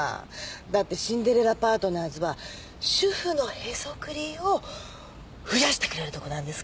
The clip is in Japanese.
だってシンデレラパートナーズは主婦のへそくりを増やしてくれるとこなんですから。